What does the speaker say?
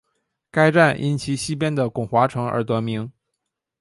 该站因其西边的巩华城而得名。